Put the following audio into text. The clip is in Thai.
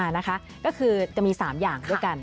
นี่คือก็มี๓อย่างทั่วครั้ง